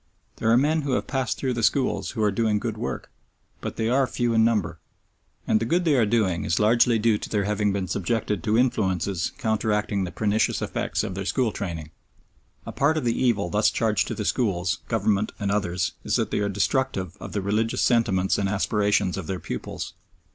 There are men who have passed through the schools who are doing good work, but they are few in number, and the good they are doing is largely due to their having been subjected to influences counteracting the pernicious effects of their school training. A part of the evil thus charged to the schools, Government and others, is that they are destructive of the religious sentiments and aspirations of their pupils.